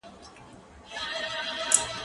زه به سبا موسيقي اورم وم،